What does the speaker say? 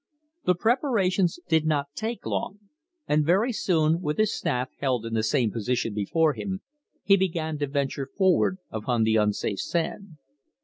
The preparations did not take long, and very soon, with his staff held in the same position before him, he began to venture forward upon the unsafe sand.